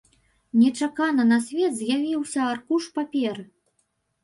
Нечакана на свет з'явіўся аркуш паперы.